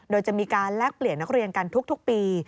โดยจะมีการแลกเปลี่ยนนักเรียนกันทุกปี